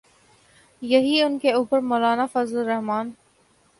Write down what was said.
ہی، ان کے اوپر مولانا فضل الرحمن۔